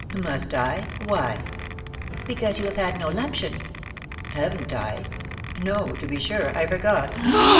"Must I? Why?" " Because you have had no luncheon." " Haven't I ? No, to be sure. I forgot."